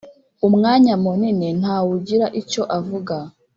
Umwanya munini nta wugira icyo avuga